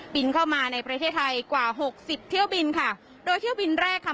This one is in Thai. เข้ามาในประเทศไทยกว่าหกสิบเที่ยวบินค่ะโดยเที่ยวบินแรกค่ะ